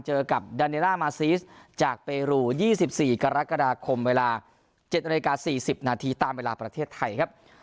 เจอกับดาเนร่ามาซีสจากเปรู๒๔กรกฎาคมเวลา๗นาฬิกา๔๐นาทีตามเวลาประเทศไทยครับ